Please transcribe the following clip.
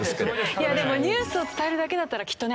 いやでもニュースを伝えるだけだったらきっとね